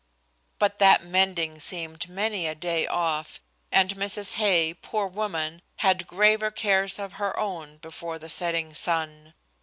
But that mending seemed many a day off, and Mrs. Hay, poor woman, had graver cares of her own before the setting sun.